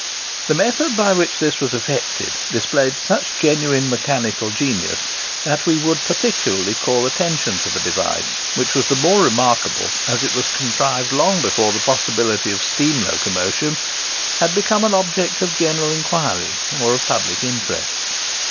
The method by which this was effected displayed such genuine mechanical genius, that we would particularly call attention to the device, which was the more remarkable, as it was contrived long before the possibility of steam locomotion had become an object of general inquiry or of public interest.